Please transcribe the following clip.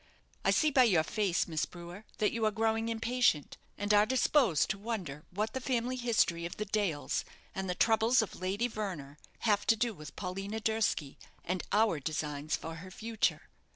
I see by your face, Miss Brewer, that you are growing impatient, and are disposed to wonder what the family history of the Dales, and the troubles of Lady Verner, have to do with Paulina Durski and our designs for her future.